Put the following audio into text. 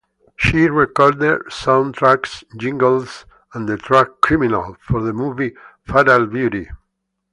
She recorded soundtracks, jingles, and the track "Criminal", for the movie "Fatal Beauty".